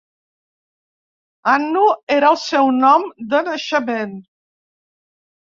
Annu era el seu nom de naixement.